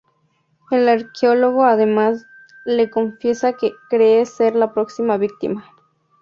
El arqueólogo además le confiesa que cree ser la próxima víctima.